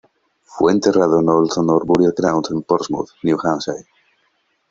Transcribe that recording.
Fue enterrado en Old North Burial Ground en Portsmouth, New Hampshire.